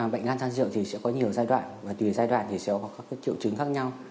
bệnh gan do rượu sẽ có nhiều giai đoạn và tùy giai đoạn sẽ có các triệu chứng khác nhau